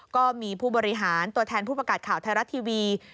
ก็มีผู้บริหารตัวแทนผู้ประกาศข่าวไทยรัฐทีวี